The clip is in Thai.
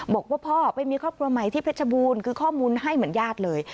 บอกว่าพ่อไปมีครอบครัวใหม่ที่เพชรบูรณ์คือข้อมูลให้เหมือนญาติเลย